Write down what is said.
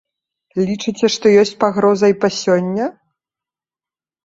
Лічыце, што ёсць пагроза і па сёння?